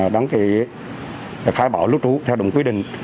đăng ký khai bảo lũ trú theo đúng quy định